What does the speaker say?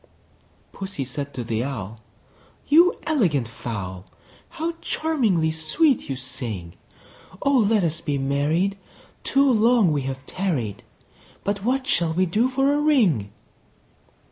II. Pussy said to the Owl, "You elegant fowl, How charmingly sweet you sing! Oh! let us be married; too long we have tarried: But what shall we do for a ring?"